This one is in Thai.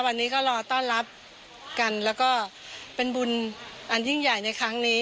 วันนี้ก็รอต้อนรับกันแล้วก็เป็นบุญอันยิ่งใหญ่ในครั้งนี้